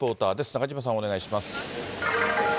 中島さん、お願いします。